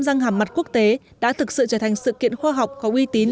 dân hàm mặt quốc tế đã thực sự trở thành sự kiện khoa học có uy tín